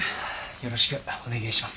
よろしくお願えします。